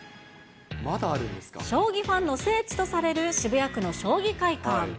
将棋ファンの聖地とされる渋谷区の将棋会館。